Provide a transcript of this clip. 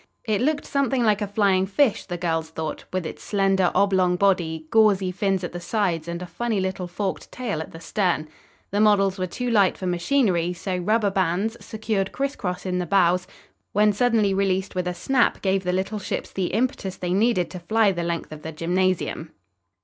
It looked something like a flying fish, the girls thought, with its slender, oblong body, gauzy fins at the sides and a funny little forked tail at the stern. The models were too light for machinery, so rubber bands, secured cris cross in the bows, when suddenly released with a snap gave the little ships the impetus they needed to fly the length of the gymnasium.